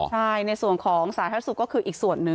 ใช่ในส่วนของสาธารณสุขก็คืออีกส่วนหนึ่ง